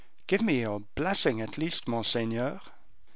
"Give me your blessing, at least, monseigneur."